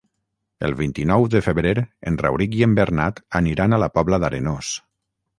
El vint-i-nou de febrer en Rauric i en Bernat aniran a la Pobla d'Arenós.